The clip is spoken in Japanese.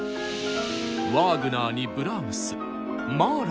ワーグナーにブラームスマーラーまで。